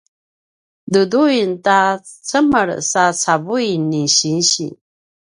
duduin ta cemel sa cavui ni sinsi